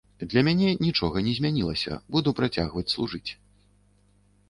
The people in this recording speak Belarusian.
Для мяне нічога не змянілася, буду працягваць служыць.